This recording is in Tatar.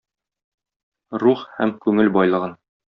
Рух һәм күңел байлыгын.